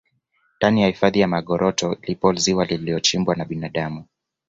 ndani ya hifadhi ya magoroto lipo ziwa lililochimbwa na binadamu